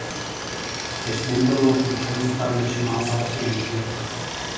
És membre del Consell Internacional de la Ciència.